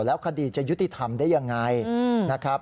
แล้วคดีจะยุติธรรมได้ยังไงนะครับ